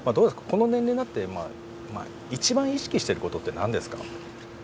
この年齢になって一番意識していることって何ですか？